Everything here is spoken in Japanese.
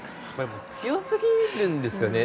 強すぎるんですよね。